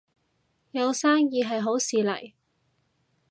有生意係好事嚟